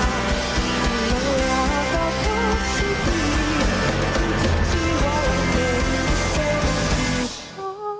kita bisa memindahkan angkasa kita dan memindahkan angkasa kita